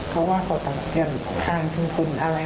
เพราะว่าเขาตัดเตือนทางพิมพ์คุณอะไรมาหมดแล้ว